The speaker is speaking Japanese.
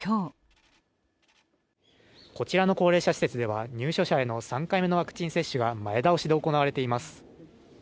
こうした中、東京都内では今日こちらの高齢者施設では入所者への３回目のワクチン接種が前倒しで行われています。